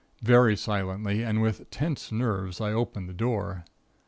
Very silently, and with tense nerves, I opened the door.